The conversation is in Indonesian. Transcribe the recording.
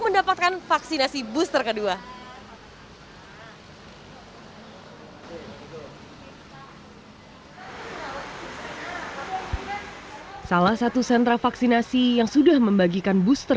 mendapatkan vaksinasi booster kedua salah satu sentra vaksinasi yang sudah membagikan booster